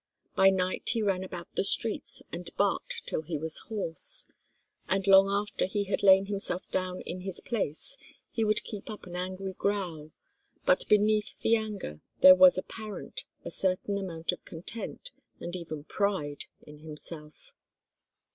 By night he ran about the streets and barked till he was hoarse, and long after he had lain himself down in his place, he would keep up an angry growl, but beneath the anger there was apparent a certain amount of content, and even pride, in himself.